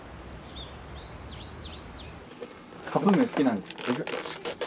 カップ麺好きなんですか？